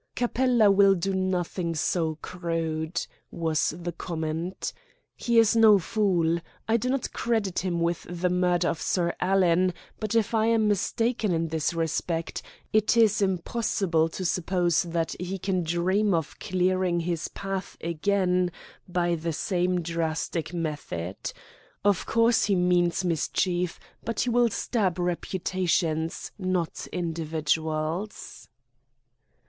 "Capella will do nothing so crude," was the comment. "He is no fool. I do not credit him with the murder of Sir Alan, but if I am mistaken in this respect, it is impossible to suppose that he can dream of clearing his path again by the same drastic method. Of course he means mischief, but he will stab reputations, not individuals."